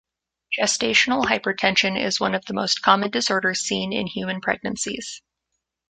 Gestational hypertension is one of the most common disorders seen in human pregnancies.